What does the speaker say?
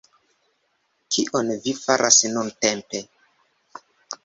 Kion vi faras nuntempe?